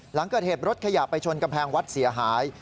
หลังเกิดเหตุรถขยะไปชนกำแพงวัดเสียหาย